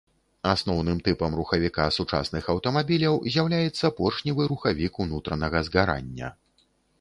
Асноўным тыпам рухавіка сучасных аўтамабіляў з'яўляецца поршневы рухавік унутранага згарання.